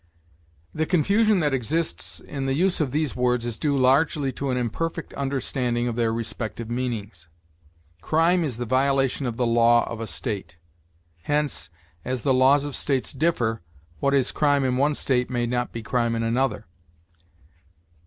The confusion that exists in the use of these words is due largely to an imperfect understanding of their respective meanings. Crime is the violation of the law of a state; hence, as the laws of states differ, what is crime in one state may not be crime in another.